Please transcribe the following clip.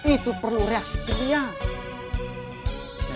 itu perlu reaksi kelihatan